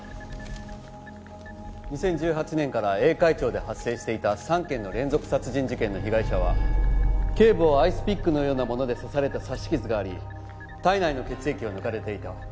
２０１８年から栄海町で発生していた３件の連続殺人事件の被害者は頸部をアイスピックのようなもので刺された刺し傷があり体内の血液を抜かれていた。